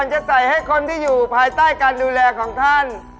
ให้ตัวท่านดูแลของท่าน